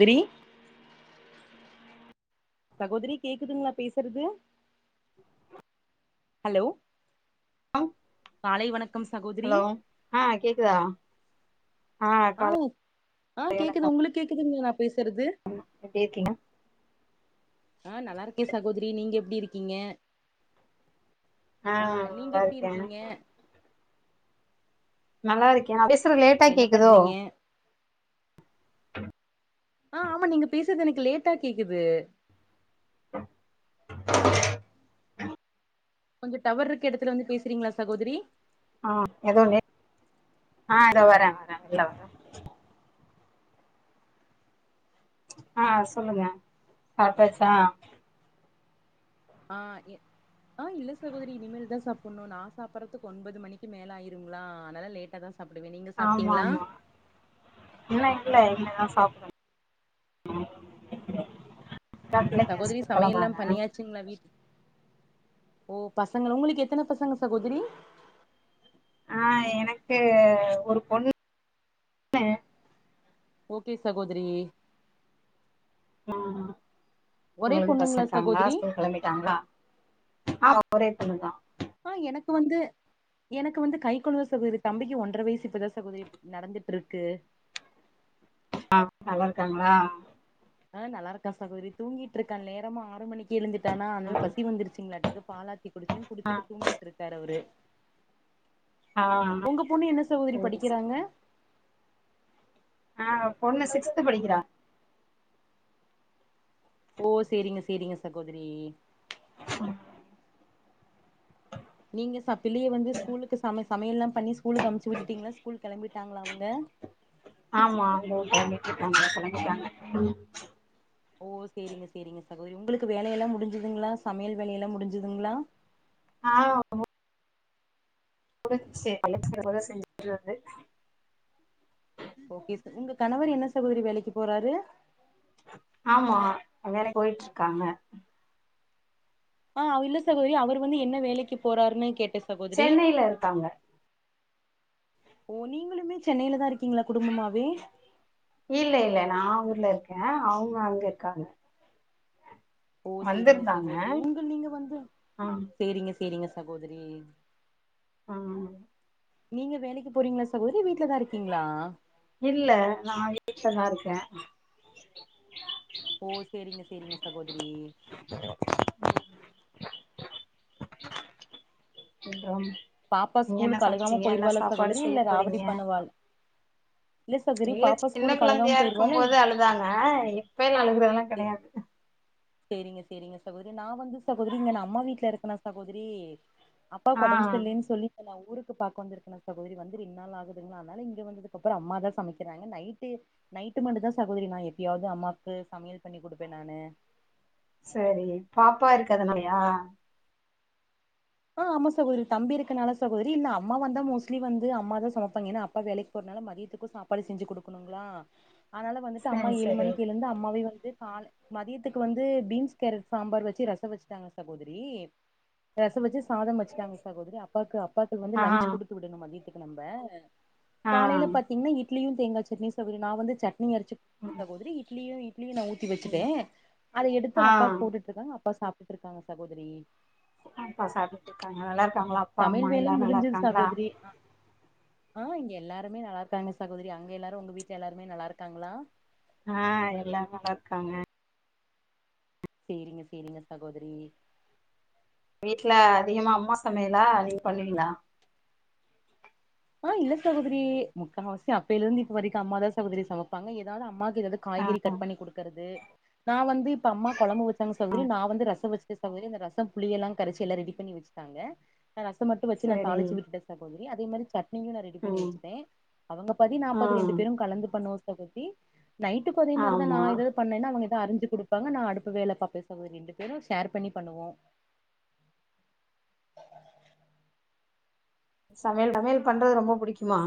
தரி சகோதரி கேக்குதுங்ளா பேசுறது ஹலோ அ காலை வணக் ஹலோ ஆ கேக்குதா ஆ ஆ கேக்குது உங்களுக் கேக்குதுங்லா நா பேசுறது அம்மா எப்டி இருக்கீங்க ஆ நல்லா இருக்கே சகோதரி நீங்க எப்டி இருக்கீங்க ஆ நீங்க நல்லா எப்டி இருக்கே இருக்கீங்க நல்லாருக்கே நா பேசுறது லேட்டா என்ன கேக்குதோ பண்றீங்க [inaudible] ஆ ஆமா நீங்க பேசுறது எனக்கு லேட்டா கேக்குது [inaudible] கொஞ்சொ டவர்ருக்க எடத்துல வந்து பேசுறீங்ளா சகோதரி ஆ இதோ தே ஆ இதோ வர வர உள்ள வர ஆ சொல்லுங்க சாப்டாச்சா ஆ எ ஆ இல்ல சகோதரி இனிமேல்தா சாப்பணு நா சாப்பதுறக் ஓன்பது மணிக்கு மேல ஆயிருங்ளா அதனால லேட்டா தா அப்டிங்க நீங்கள் ஆமாமா இன்னு இல்ல இன்மேதா சாப்ட னு இப்பதா பிள்ளைங்க ஸ்கூல் கெளம்னாங்க சுங்ளா வீட்டு ஓ பசங்களா ஒங்களுக்கு எத்தன பசங்க சகோதிரி ஆ எனக்கு ஒரு பொண்ணு ஓகே சகோதிரி அ அ ஒரே ஒங்களுக் பசங்க பொண்ணுங்களா இருக்காங்ளா சகோதரி ஸ்கூல் கெளம்பிட்டாங்ளா ஆமா ஒரே பொண்ணு தா ஆ எனக்கு வந்து எனக்கு வந்து கைக்கொழந்த சகோதரி தம்பிக்கு ஒன்ற வயசு இப்பதா சகோதரி நடந்துட்ருக்கு ஆ நல்லா இருக்காங்ளா ஆ நல்ல இருக்கா சகோதரி தூங்கிட்ருக்கா நேரமா ஆறு மணிக் எழுந்துட்டானா ஆதனால ம் பசி வந்துருச்சுங்களாட்டுக்கு பாலாத்தி குடிச்ச ஆ குடிச்சிட்டு தூங்கிட்ருக் காரு அவரு ஆ ஒங்க பொண்ணு என்ன சகோதரி சரி சரி படிக்கிறாங்க ஆ பொண்ணு சிக்ஸ்த்து படிக்கிறா ஓ சேரிங்க சேரிங்க சகோதரி ஆ நீங்க ச பிள்ளைய வந்து ஸ்கூலுக்கு சம சமையல்லா பண்ணி ஸ்கூலுக்கு அம்ச்சி விட்டுட்டீங்ளா ஸ்கூல் கெளம்பிட்டாங்ளா அவுங்க ஆமா இதோ கெளம்பிட்ருக்காங்க கெளம்பிட்டாங்க ஓ சேரிங்க சேரிங்க சகோதரி ஒங்ளுக்கு வேலையெல்லா முடிஞ்சதுங்ளா சமையல் வேலையெல்லா முடிஞ்சதுங்ளா ஆ முடிஞ்ச்சி சமயல் இப்பதா செஞ்சிட்டு வந்த ஓகே உங்க கணவர் என்ன சகோதரி வேலைக்கி போறாரு ஆமா வேலைக் போயிட்ருக்காங்க ஆ இல்ல சகோதரி அவரு வந்து என்ன வேலைக்கு போறாருன்னு கேட்ட சகோதரி சென்னைல இருக்காங்க ஓ நீங்களுமே சென்னைல தா இருக்கீங்ளா குடும்பமாவே இல்ல இல்ல நா ஊர்ல இருக்கே அவுங்க அங்க இருக்காங்க ஓ சேரிங்க வந்திருந்தாங்க சகோதரி உங்க நீங்க வந்து ஆ சேரிங்க சேரிங்க சகோதரி ஆ ஆ நீங்க வேலைக்கு போறீங்ளா சகோதரி வீட்லதா இருக்கீங்ளா இல்ல நா வீட்லதா இருக்க ஓ சேரிங்க சேரிங்க சகோதரி சொல்லுங்க ஹலோ பாப்பா ஸ்கூலுக்கு அழுகாம போயிருவாளா சகோதரி செய்ய இல்ல ராவடி போறீங்க பண்ணுவா இல்ல சின்ன கொழந்தையா இருக்குபோது அழுதாங்க இப்ப எல்லா அழுகுறதெல்லா இல் கெடையாது சேரிங்க சேரிங்க சகோதரி நா வந்து சகோதரி இங்க நா அம்மா வீட்ல இருக்கனா சகோதரி அப்பாவுக் ஒடம் ஆ சொல்லி தந்தே ஊருக்கு பாக்க வந்துருக்கனா சகோதரி வந்து ரெண் நாள் ஆகுதுங்ளா அதனால இங்க வந்ததுக் அப்பறோ அம்மா தா சமைக் கற நைட்டு நைட்டு மட்டு தா சகோதரி நா எப்பியாவது அம்மாவுக்கு சமையல் பண்ணி குடுப்பே நானு செரி பாப்பா இருக்கு அதுனாலயா ஆ ஆமா சகோதரி தம்பி இருக்கனால சகோதரி இல்ல அம்மா வந்தா மோஸ்ட்லி வந்து அம்மா தா சமைப்பாங்க ஏனா அப்பா வேலைக் ஒரு நாள மதியத்துக்கு சாப்பாடு செஞ்சி குடுக்கனுங்ளா அதனால வந்துட்டு அம்மா சரி ஏழு சரி மணிக்கு எழுந்து அம்மாவே வந்து கால மதியத்துக்கு வந்து பீன்ஸ் கேரட் சாம்பார் வச்சி ரசோ வச்ட்டாங்ளா சகோதரி ரச வச்சு சாதம் வச்சுட்டாங்க சாகோதரி அப்பாவுக்கு அப்பாக்கு வந்து ஆ லஞ்சி குடுத்து விடனு மதியத்துக்கு நம்ப ஆ காலையில பாத்தீங்னா இட்லியு தேங்கா சட்னியு சகோதரி நா வந்து சட்னி அறச்சி ம் சகோதரி இட்லிய இ இட்லியு நா ஊத்தி வெச்சிட்டே ம் அத எடுத்து ஆ அப்பாக் போட்டுட்டு இருக்காங்க அப்பா சாப்ட்டுட் இருக்காங்க சகோதரி அப்பா சப்ட்டுட்ருக்காங்க நல்லா இருக்காங்ளா அப் சமையல் வேல முடிஞ்சது சகோதரி ஆ எல்லாருமே நல்லாருக்காங்க சகோதரி அங்க எல்லாரு உங்க வீட்ல எல்லாருமே நல்லா இருக்காங்களா ஆ எல்லாருமே நல்ல இருக்காங்க செரிங்க செரிங்க சகோதரி வீட்ல அதிகமா அம்மா சமையலா நீங்க பண்வீங்களா ஆ இல்ல சகோதரி முக்கவாசி அப்பையில இருந்து இப்ப வரைக்கு அம்மாதா சகோதரி சமப்பாங்க ஏதாது அம்மா க்கு வந்து ஆ காய்கறி கட் பண்ணி குடுக்கறது நா வந்து இப்ப அம்மா கொழம்பு வச்சாங்க சகோதரி நா வந்து ரச வச் சே சகோதரி இந்த ரசோ புளியெல்லா கரச்சி எல்லா ரெடி பண்ணி வச்சுட்டாங்க நா ரசோ மட்டு வச்சு நா சரி தாளிச்சு ஊத்திட்டே சகோதரி அதே மாரி சட் னியு நா ரெடி பண்ணி ம் வச்சட்டே அவங்க பாதி நா ஆ பாதி ரெண்டு பேரூ கலந்து பன்ணுவோ சகோத்ரி நைட்டுக்கு ஒரே மாரிதானா ஆமா இதே பண்ணனா அவங்கத அரஞ்சு குடுப்பாங்க நா அடுத்த வேல பாப்பே சகோதரி ரெண்டு பேரூ ஷேர் பண்ணி பண்ணுவோ சமையல் சமையல் பண்றது ரொம்ப புடிக்குமா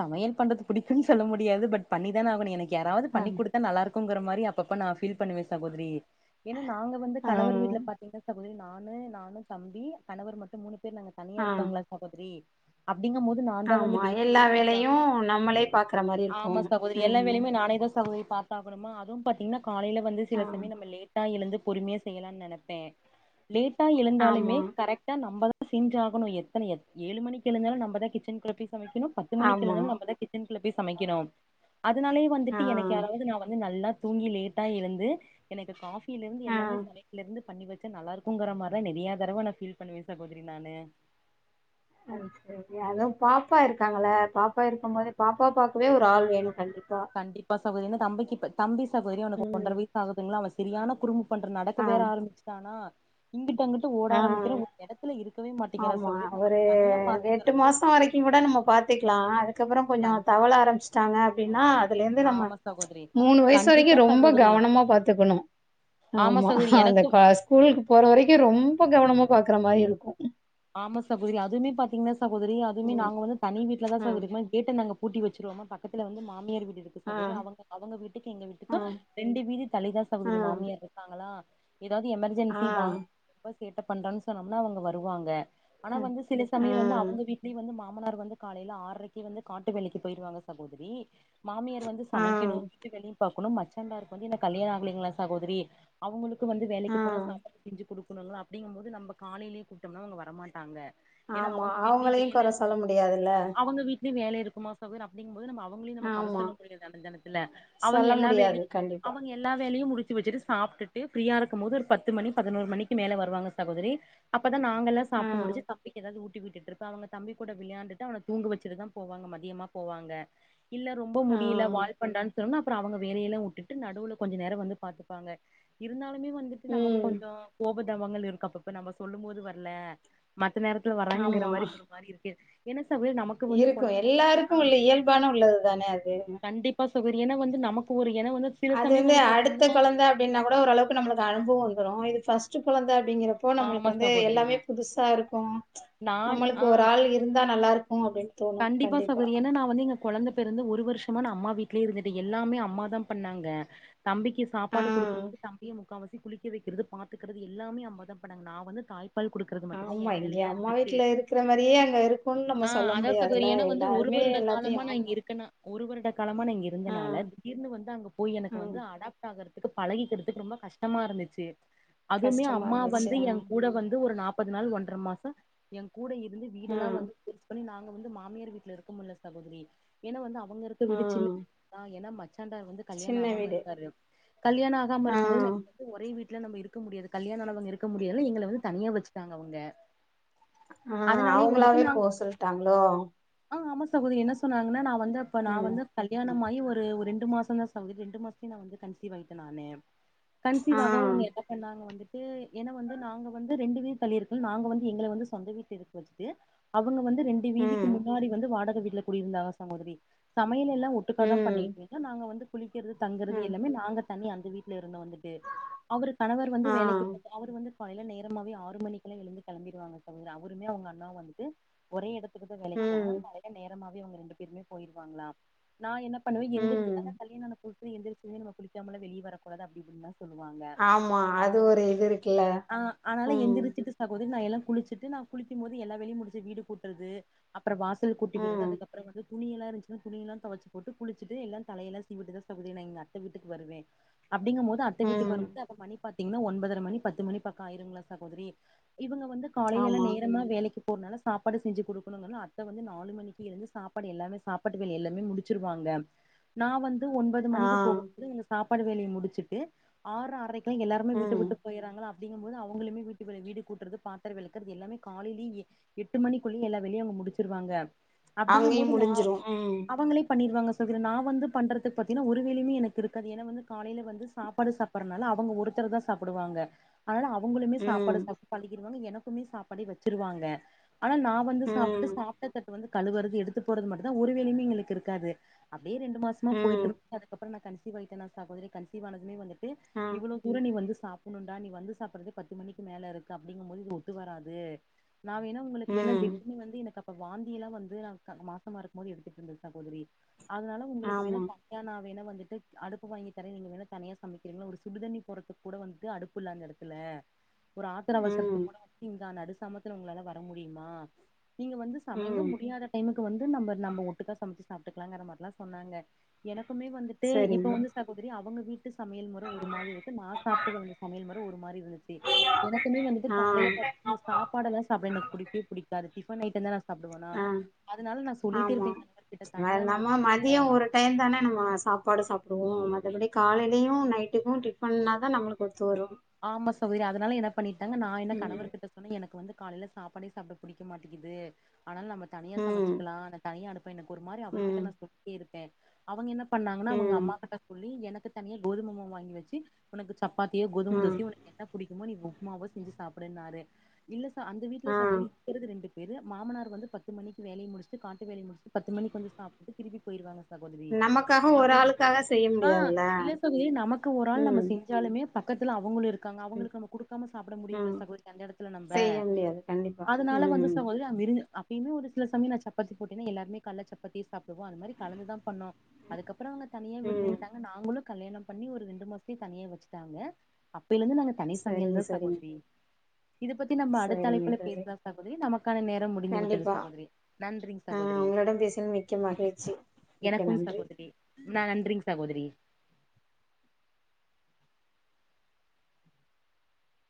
சமையல் பண்றது புடிக்குன் சொல்ல முடியாது பட் பண்ணி தான ஆகணு எனக்கு யாராவது ஆ பண்ணி குடுத் தா நல்லா இருக்குங்கற மாரி அப்பப்ப நா ஃபீல் பண்ணுவே சகோதரி ஏனா நாங்க வந்து ஆ கணவர் வீட்ல பாத் தீங்க சகோதரி நானு நானு தம்பி கணவர் மட்டு மூணு பேர் நாங்க தனியா ஆ இருக்கோங்களா சகோதரி அப்டிங்கம்போது நாந்தா வந்து ஆமா டெய்லிமே எல்லா வேலையு செஞ்சாகணு நம்மளே பாக்குற மாரி இருக்கு ஆமா சகோதரி எல்லா ம் வேலையுமே நானே தா சகோதரி பாத் தாகணுமா அதுவு பாத்தீங்கன்னா காலையில வந்து ஆ சில சமய நம்ம லேட்டா எழுந்து பொறுமையா செய்யலான் நெனப்பே லேட்டா எழுந்தாலுமே ஆமா கரெக்டா நம்பதா செஞ்சாகணு எத்தன எத் ஏழு மணக்கு எழுந்தாலு நம்ம தா கிச்சன்க்குள்ள போய் சமைக்கணு பத் து மணிக்கு ஆமா எழுந்தாலு நம்மதா கிச்சன் குள்ள போய் சமைக்கணு அதுனாலே வந்துட்டு எனக்கு ஆ யாராவது நா வந்து நல்லா தூங்கி லேட்டா எழுந்து எனக்கு காஃபில இருந்து ஆ எல்லாமே சமைக்ல இருந்து பண்ணி வச் சா நல்லாருக்கூங்ற மாருதா நெறியா தடவ நா ஃபீல் பண்ணுவே சகோதரி நானு சரி செரி அதும் பாப்பா இருக்காங்கள பாப்பா இருக்கம் போது பாப்பா பாக்கவே ஒரு ஆள் வேணு கண்டிப் கண்டிப்பா சகோ ஏனா தம்பிக்கிப்ப தம்பி சகோதரி அவனுக்கு ம் ஒன்றை வயிசு ஆகுதுங்களா அவெ செரியான குறும் பண்ற நடக்க ஆ வேற ஆரம்பிச்சுட்டானா இங்கிட்டு அங்குட் டு ஓட ஆ ஆரமிக்கிற ஒரு எடத்துல இருக்கவே மாட்டேங்கிறா ஆமா சகோதரி ஒரு நமக்கு தனியா பாத்துகறது போய்க்கலா அதுக்கப்புறோ கொஞ்சோ தவள ஆரமிச் சாங்க அப்டின்னா அதுலேந்து நம்ம ஆமா சகோதரி மூணு வயிசு வரைக்கு கண்டிப்பா ரொம்ப சகோதரி கவனமா பாத்துக்கணு ஆமா சகோதரி அந்த எனக்கும் கா ஸ்கூலுக்கு போற வரைக்கு ரொம்ப கவனமா பாக்ற மாரி இருக்கூ ஆமா சகோதரி அதுமே பாத்தீங்கன்னா சகோதரி அதுமே ம் நாங்க வந்து தனி வீட்டுலதா ஆ சகோதரிமே கேட்ட நாங்க பூட்டி வச்சருவோமா பக்கத்துல வந்து மாமியார் வீடு இரு க்கு ஆ சகோதரி அவங்க அவங்க வீட்டுக்கு எங்க வீட்டுக்கு ஆ ரெண்டு வீதி தள்ளிதா ஆ சகோதரி மாமியாருக்காங்களா ஏதாது ஆ எமர்ஜென்சி வாங்க ப சேட்ட பண்றான் சொன்னம்னா அவங்க வருவாங்க ஆனா வந்து சில ஆ சமய வந்து அவங்க வீட்லே வந்து மாமனார் வந்து காலேல ஆற்ரைக்கே வந்து காட்டு வேலைக்கு போயிருவாங்க சகோதரி மாமியார் வந்து ஆ சமைக்கணு வீட்டு வேலையு பாக்கணு மச்சண்டார்க்கு வந்து இன்னு கல்யாண ஆகலைங்களா சகோதரி அவங்களு க்கு வந்து வேலைக்கு போனா ஆ சாப்பாடு செஞ்சு குடுக்கணுல அப்டிங்கும்போது நம்ப காலேலே கூப்டோம்னா அவங்க வரமாட்டாங்க ஏனா ஆமா அவங்க வீட்லயு அவங்களையு கொற வேலனு சொல்ல முடியாதுல்ல அவங்க வீட்லயு வேல இருக்குமா ச கோதர் அப்டிங்கும்போது நம்ம அவங்களையு நம்ம ஆமா சொல்ல முடியாது அந்த தெனத்துல அவங்க சொல்ல எல்லா முடியாது வேலையு கண்டிப்பா அவங்க எ ல்லா வேலையு முடிச்சு வச்சுட்டு சாப்ட்டுட்டு ஃப்ரியா இருக்கும் போது ஒரு பத்து மணி பதினோரு மணிக்கு மேல வருவாங்க சகோதரி அப்பதா நாங்கெல்லா ஆ சாப்ட்டு முடிச்சு தம்பிக்கு ஏதாது ஊட்டி விட்டுட்டிருப்பே அவங்க தம்பி கூட விளையாண்டுட்டு அவன தூங்க வச்சட்டு தா போவாங்க மதியமா போவாங்க இல்ல ரொம்ப ஆ முடியல வால் பண்டான் சொன்னா அப்பறோ அவங்க வேலையெல்லா வுட்டுட்டு நடுவுல கொஞ்ச நேரோ வந்து பாத்துப்பாங்க இருந்தாலுமே வந்துட் டு நமக்கு ம் கொஞ்சோ கோபதபங்கள் இருக்கு அப்பப்ப நம்ம சொல்லும் போது வர்ல மத்த நேரத்துல வராங்கங்ற ஆமா மாரி ஒரு மாரி இருக்கு என்ன சகோ நமக்கு வந்து இருக்கூ கொழந்த வந்து எல்லாருக்கூ ஆ உள்ள இயல்பான உள்ளதுதான அது ஆமா சகோதிரி ஏனா வந்து நமக்கு ஒரு இன வந்து சில அது சமயம் வந்து அடுத்த பாத்தீங்கன்னா கொழந்த அப்டின்னா கூட ஓரளவுக்கு நம்மளுக்கு அனுப வந்துரு இது ஃபர்ஸ்ட்டு கொழந்த அப்டிங்கற இப்போ ஆமா நம்ளுக்கு வந்து சகோதரி எல்லாமே புதுசா இருக்கு நான் நம்மளுக்கு ஆ ஒரு ஆள் இருந்தா நல்லா இருக்கு அப்டின் கண்டிப்பா சகோதிரி ஏனா நா வந்து கொழந்த பெறந்து ஒரு வர்ஷமான நா அம்மா வீட்லே இருந்துட்டு எல்லாமே அம்ம தா பண்ணாங்க தம்பிக்கு ஆ சாப்பாடு குடுக்குறதுக்கு தம்பியு முக்காவாசி குளிக்க வைக்கிறது பாத்துக்கிறது எல்லாமே அம்மாதா பண்ணாங்க நா வந்து தாய் பால் குடுக்கறது மட்டு்தா ஆமா ஏ இங்க வேலயா அம்மா இருந்துச்சு வீட்ல இருக்கிற மாரியே அங்க இருக்குன்னு நம்ம சொல்ல முடியாதுல்ல எனக்கு வந்து ஒரு எல்லாருமே வருட எல்லாத்தையு காலமா நா இங்க ஆமா இருக்கனா ஒரு வருட காலமா நா இங்க ஆ இருந்தனால திடீர்னு வந்து அங்க போய் எனக்கு வந்து ம் அடாப் ஆகறதுக்கு பழகிக்கிறதுக்கு ரொம்ப கஷ்டமா இருந்துச்சி அதுமே கஷ்டமா அம்மா இருந்துச்சு வந்து ஆ ஏ கூட வந்து ஒரு நாப்பது நாள் ஒன்றர மாச ஏ கூட இருந்து வீடெல்லா ம் வந்து பிக்ஸ் பண்ணி நாங்க வந்து மாமியார் வீட்ல இருக்க முல்ல சகோதிரி ஏனா வந்து அவங்க இருக் க வீடு ம் சின்னத் தா ஏனா மச்சான்ட வந்து கல்யாண சின்ன ஆகாம வீடு இருக்காரு அப் கல்யாண ஆகாம ஆ இருக்கும்போது நா ஒரே வீட்டுல நம்ம இருக்க முடியாது கல்யாண ஆனவங்க இருக்க முடியாதுனு எங்கள வந்து தனியா வச்சுட்டாங்க அவங்க ஆ அதனாலயே வந்துட்டு அவங்களாவே நாங்க போ சொல்ட்டாங்ளோ ஆ ஆமா சகோதிரி என்ன சொன்னாங்கன்னா நா வந்து இப்ப நா ம் வந்து கல்யாணமாயி ஒரு ஒரு ஒரு ரெண்டு மாச தா சகோதிரி ரெண்டு மாசத்துலே நா வந்து கன்சிவ் ஆயிட்டே நானு ஆ கன்சிவாகவு நாங்க வந்துட்டு ஏனா வந்து நாங்க வந்து ரெண்டு வீடு தள்ளி இருக்கோ நாங்க வந்து எங்கள வந்து சொந்த வீட்ல இருக்க வச்சிட்டு அவுங்க வந்து ரெண்டு வீதி ம் வாடக வீட்ல குடியிருந்தாங்க சகோதிரி சமையல் எல்லா ஒட்டுக்காதா ம் பண்ணீட் இருந்தோ நாங்க வந்து குளிக்கிறது தங்கறது ம் எல்லாமே நாங்க தண்ணி அந்த வீட்ல இருந்தோ வந்துட்டு அவுரு கணவர் வந்து ஆ வேலக்கி அவுரு வந்து காலைல நேரமாவே ஆறு மணிக்குலா எழுந்து கெலம்பிர்வாங்க சகோதிரி அவருமே அவங்க அண்ணா வந்துட்டு ஒரே எடத்துக்குதா வேலைக்கு போறாங் ம் காலைல நேரமாவே அவங்க ரெண்டு பேருமே பொயிர்வாங்ளா நா என்ன பண்ணுவே எந்துரிச்சி ம் அதா கல்யாண ஆன புதுசுல எந்திர்ச்சி நம்ம குளிக்காமலா வெளிய வரக்கூடாது அப்டின் சொல்லுவாங்க ஆமா அது ஒரு இது இருக்குல்ல ஆ ஆனால ம் எந்திரிச்சி சகோதிரி நா எல்லா குளிச்சிட்டு நா குளிக்கும் போது எல்லா வேலயு முடிச்சு வீடு கூட்றது அப்றோ வாசல் கூட்டி விட்றது ம் அதுக்கப்றோ வந்து துணியெல்லா இருந்துச்சுனா துணியெல்லா தொவச்சி போட்டு குளிச்சிட்டு எல்லா தலயெல்லா சீவிட்டுதா சகோதிரி நா எங்க அத்த வீட்டுக்கு வருவே அப்டிங்கம் போது அத் த வீட்டுக்கு ம் வரும்போது அப்ப மணி பாத்தீங்கன்னா ஒன்பதர மணி பத்து மணி பக்கோ ஆய்ருங்களா சகோதிரி இவங்க வந்து காலைல எல்லா ஆமா நேரமா வேலைக்கு போறனால சாப்பாடு செஞ்சி குடுக் குணுனு அத்த வந்து நாலு மணிக்கு எழுந்து சாப்பாடு எல்லாமே சாப்பாட்டு வேலை எல்லாமே முடிச்சிருவாங்க நா வந்து ஒன்பது ஆ மணிக்கு போகும்போது நீங்க சாப்பாடு வேலய முடிச்சிட்டு ஆர்ரைக் கு எல்லார்மே வீட்ட ம் விட்டு பொயிர்றாங்ளா அப்டிங்கம்போது அவுங்களுமே வீட்டு வேல வீடு கூட்றது பாத்ர வெளக்கறது எல்லாமே காலைலியே எட்டு மணிக்குள்ள எல்லா வேலயு அவங்க முடிச்சிருவாங்க அப்டிங்கம் அங்கயு போது நா முடிஞ்சிரு ம் அவங்ளே பண்ணிருவாங்க சத்ரு நா வந்து பண்றதுக்கு பாத்திங்னா ஒரு வேலயுமே எனக்கு இது வந்து ஏனா காலைல வந்து சாப்பாடு சாப்பட் றனால அவங்க ஒருதர தா சாப்டுவாங்க அதனால அவுங்குளுமே ம் சாப்பாடு சாப்டு பழகிருவாங்க எனக்குமே சாப்பாடே வெச்சிருவாங்க ஆனா நா வந்து சாப்டுட்டு ம் சாப்ட்டதட்டு வந்து கழுவறது எடுத்து போறது மட்டு தா ஒரு வேலயுமே எங்களுக்கு இருக்காது அப்டியே ரெண்டு மாசமா பொயிட்டு ம் இருந்து அதுக்கப்றமா நா கன்சிவ் ஆய்டனா சகோதிரி கன்சிவானதுமே வந்துட்டு ஆ இ்வ்ளோ புரனி வந்து சாப்புன்ணுடா நீ வந்து சாப்பறதே பத்து மணிக்கு மேல இருக்கு அப்டிங்கும்போது இது ஒத்து வராது நா வேணா ஒங்ளுக்கு வேணா ம் வந்து எனக்கு அப்ப வாந்தியல்லா வந்து நா மாசமா இருக்கு போது எடுத்துட்டு இருந்த சகோதரி அதனால உங்களுக்கு வேனா ஆமா தா நா வேண வந்துட்டு அடுப்பு வாங்கி தர நீங்க வேணா தனியா சமைக்கிறீங்களா ஒரு சுடுதண்ணி போறத்து கூட வந்துட்டு அடு ப்புள்ள அந்த எடத்துல ஒரு ஆத்திர அவசரத்து ம் கூட [unintelligible] நடுசாமத்துல உங்களால வர முடியுமா நீங்க வந்து சமைங்க ம் முடியாத டைம்க்கு வந்து நம்ம நம்ம ஒட்டுக்கா சமைச்சு சாப்பிட்டுக்கலாம்ங்கற மாரில்ல சொன்னாங்க எனக்குமே வந்து டு இப்ப சரிங்க வந்து சகோதரி அவங்க வீட் டு சமையல் முற ஒரு மாதிரி இருக்கு நா சாப்டு வழந்த சமையல் முற ஒரு மாரி இருந்துச்சு எனக்குமே வந்துட்டு ஆ காலையில பாத் இந்த சாப்பாடுலா சாப்பட எனக்கு பிடிக்கவே பிடிக்காது டிஃபன் ஐட்டம் தா சாப்டுவனா ஆ அதனால நா சொல்லிட்டே ஆமா இருப்ப என் கணவர் கிட்ட தனியா நம்ம போயிரலா டைய தானே நம்ம சாப்பாடு சாப்டுவோ மத்தபடி காலையிலயு நைட்டுக்கு டிஃபன்ன தா நம்மளுக்கு ஒத்து வரு ஆமா சகோதரி அதனால என்ன பண்ணிட்டாங்க நா என்ன ம் கணவர் கிட்ட ஆனா எனக்கு வந்து காலையில சாப்பாடே சாப்ட பிடிக்க மாட்டகிது ஆனால நம்ம தனியா ம் சமைச்சுக்கல தனியா அடுப் எனக்கு ஒரு மாரி அவர்கிட்ட ம் நா சொல்லட்டே இருக்பே அவங்க என்ன பண்ணாங்கன்னா அவங்க ம் அம்மா கிட்ட சொல்லி எனக்கு தனியா கோதும வாங்கி வச்சு உனக்கு சப்பாத்தியே கோதுமை தோ ம் என்ன பிடிக்குமோ நீ உப்புமாவோ செஞ்சு சாப்டுன்னாரு இல்ல சா அந்த வீட்ல ஆ சகோதரி இருக்கிறது ரெண்டு பேரு மாமனார் வந்து பத்துக்கு மணி வேலைய முடிச்சுட்டு காட்டு வேலய முடிச்சு பத்து மணிக்கு வந்து சாப்பிட்டு திருப்பி போயிடுவாங்க சகோதரி நமக்காக ஒரு அப்டின் ஆளுக்காக செய்ய ஆ முடியாதுல்ல இல்ல சகோதரி நமக்கு ஒரு ஆள் நம்ம ம் செ ஞ்சாலுமே பக்கத்துல அவங்களு இருக் காங்க ம் அவங்களுக்கு நம்ம குடுக்காம சாப் முடியுங்கள ம் சகோதரி அந்த எடத்துல நம்ப செய்ய முடியாது கண்டிப்பா அதனால வந்து ம் சகோதரி [unintelligible] அப்பவுமே ஒரு சில சயம் நா சப்பத்தி போட்டேனா எல்லாமே கால சப்பாத்தி சாப்பிடுவோ அந்த மாரி கலந்துதா பண்ணோ அதுக்கப்றோ அவங்க தனியா ம் விடுறேன்ட்டாங்க நாங்களு கல்யாண பண்ணி ஒரு ரெண்டு மாசத்துத்தே தனியே வச்சுட்டாங்க அப்பிலேந்து நாங்க தனி சமையல் சரிங்க தா சரிங்க சகோதரி இத பத் தி நம்ம அடுத்த சரிங்க அழைப்புல தோழி பேசலா சகோதரி நமக்கான நேர முடிந்து விட்டது கண்டிப்பா சகோதரி நன்றிங் ஆ சகோதரி உங்களோட பேசிய மிக்க மகிழ்ச்சி மிக்க எனக்கும் நன்றி சகோதரி நா நன்றிங்க சகோதரி